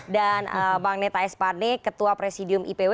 dan bang neta espane ketua presidium ipw